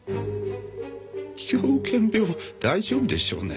狂犬病大丈夫でしょうね？